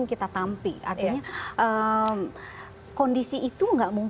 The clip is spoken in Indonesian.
sekarang menjadi sebuah film anak muda